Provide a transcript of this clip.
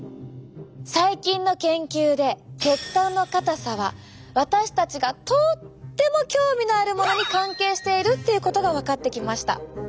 最近の研究で血管の硬さは私たちがとっても興味のあるものに関係しているっていうことが分かってきました。